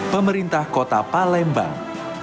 pemerintah kota palembang